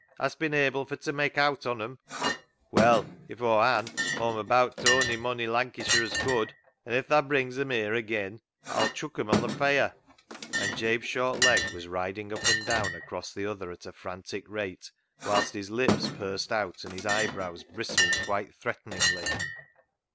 Hast bin able for t' mak' owt on 'em ?"" Well, if Aw han, Aw'm abaat t' on'y mon i' Lancashire as could ; an' if tha brings 'em here agean Aw'll chuck 'em on th' feire," and Jabe's short leg was riding up and down across the other at a frantic rate, whilst his lips pursed out and his eyebrows bristled quite threateningly.